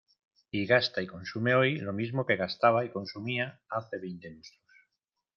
Y gasta y consume hoy lo mismo que gastaba y consumía hace veinte lustros.